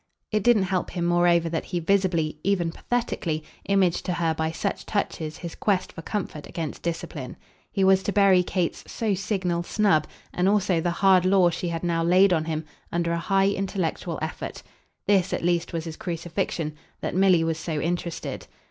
It didn't help him moreover that he visibly, even pathetically, imaged to her by such touches his quest for comfort against discipline. He was to bury Kate's so signal snub, and also the hard law she had now laid on him, under a high intellectual effort. This at least was his crucifixion that Milly was so interested.